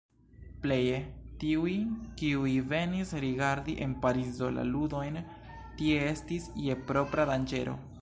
Pleje tiuj, kiuj venis rigardi en Parizo la ludojn, tie estis je propra danĝero.